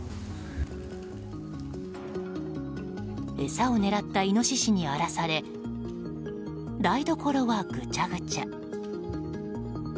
餌を狙ったイノシシに荒らされ台所はぐちゃぐちゃ。